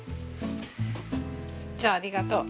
じゃあありがとう。